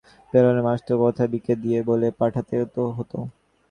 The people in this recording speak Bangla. পোলোয়ার মাছ তো সে কথা বিকে দিয়ে বলে পাঠালে তো হত।